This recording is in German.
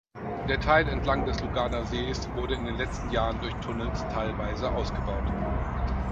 Der Teil entlang des Luganersees wurde in den letzten Jahren durch Tunnels teilweise ausgebaut.